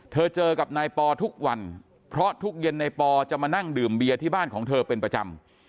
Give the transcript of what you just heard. เธอเจอกับนายปอทุกวันเพราะทุกเย็นนายปอจะมานั่งดื่มเบียร์ที่บ้านของเธอเป็นประจำ